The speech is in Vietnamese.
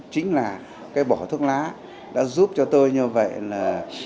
chính là cái bỏ thuốc lá đã giúp cho tôi như vậy là